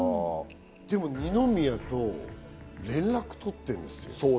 でも二宮と連絡とってるんですよ。